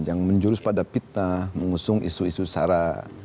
yang menjurus pada pitna mengusung isu isu sarah